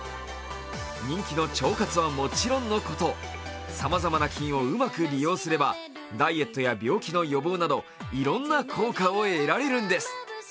人気の腸活はもちろんのことさまざまな菌をうまく利用すればダイエットや病気の予防などいろんな効果を得られるんです。